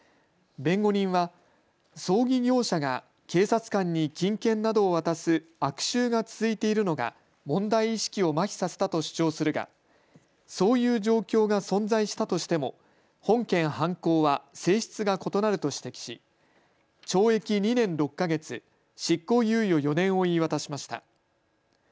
弁護人は葬儀業者が警察官に金券などを渡す悪習が続いているのが問題意識をまひさせたと主張するがそういう状況が存在したとしても本件犯行は性質が異なると指摘し懲役２年６か月、執行猶予４年を言い渡しました。